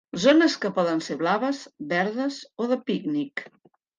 Zones que poden ser blaves, verdes o de pícnic.